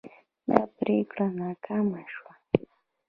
دا پریکړه ناکامه شوه.